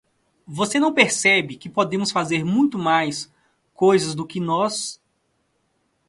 Você não percebe que podemos fazer muito mais coisas do que nós?